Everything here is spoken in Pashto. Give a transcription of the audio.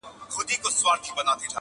o یا بارېږه زما له سرایه زما له کوره,